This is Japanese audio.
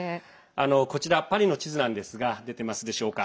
こちら、パリの地図なんですが出てますでしょうか。